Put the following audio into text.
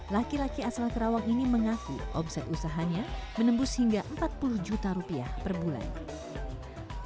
laki laki asal kerawang ini mengaku omset usahanya menembus hingga empat puluh juta rupiah per bulan